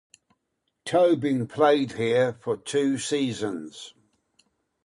Tobin played here for two seasons.